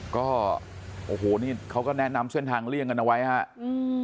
ก็โอ้โหนี่เขาก็แนะนำเส้นทางเลี่ยงกันเอาไว้ฮะอืม